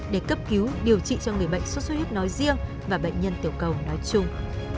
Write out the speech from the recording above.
để cấp cứu điều trị cho người bệnh sốt xuất huyết nói riêng và bệnh nhân tiểu cầu nói chung